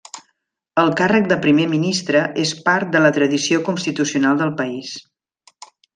El càrrec de Primer Ministre és part de la tradició constitucional del país.